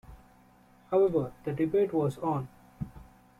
However, the debate was on.